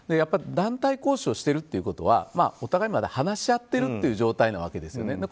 団体交渉してるっていうことはお互い、まだ話し合ってるという状態なわけですよね。